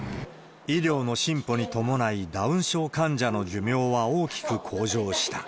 医療の進歩に伴い、ダウン症患者の寿命は大きく向上した。